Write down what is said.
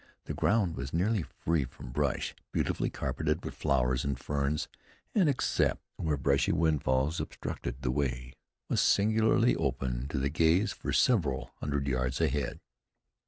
The ground was nearly free from brush, beautifully carpeted with flowers and ferns, and, except where bushy windfalls obstructed the way, was singularly open to the gaze for several hundred yards ahead.